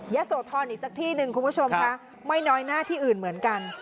โสธรอีกสักที่หนึ่งคุณผู้ชมค่ะไม่น้อยหน้าที่อื่นเหมือนกัน